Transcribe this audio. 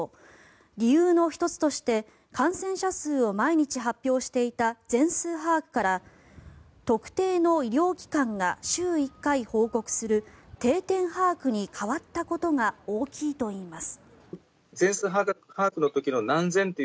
理由の１つとして感染者数を毎日把握していた全数把握から特定の医療機関が週１回報告する定点把握に変わったことが大きいといいます。